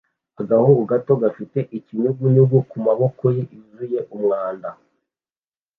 Agahungu gato gafite ikinyugunyugu kumaboko ye yuzuye umwanda